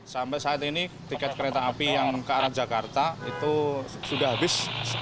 sampai saat ini tiket kereta api yang ke arah jakarta itu sudah habis